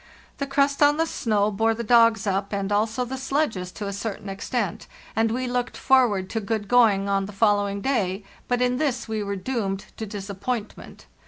The crust on the snow bore the dogs up, and also the sledges to a certain extent, and we looked forward to good going on the following day; but in this we were doomed to disappointment.